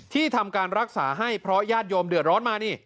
ที่ทำการรักษาให้เพราะญาติโยมเดือดร้อนมานี่